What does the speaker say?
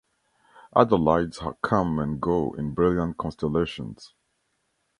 Other lights come and go in brilliant constellations.